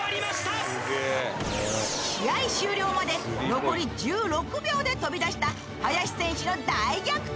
試合終了まで残り１６秒で飛び出した林選手の大逆転